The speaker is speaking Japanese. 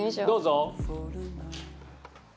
どうぞ。